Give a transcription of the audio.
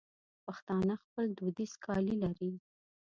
پښتانه خپل دودیز کالي لري.